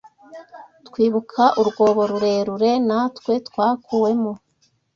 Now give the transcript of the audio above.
twibuka urwobo rurerure natwe twakuwemo.